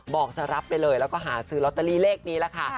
บอกจะรับไปเลยแล้วก็หาซื้อลอตเตอรี่เลขนี้แหละค่ะ